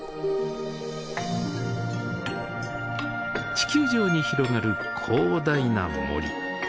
地球上に広がる広大な森。